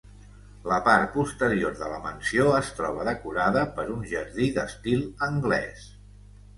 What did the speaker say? La part posterior de la mansió es troba decorada per un jardí d'estil anglès.